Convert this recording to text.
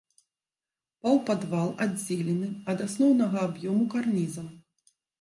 Паўпадвал аддзелены ад асноўнага аб'ёму карнізам.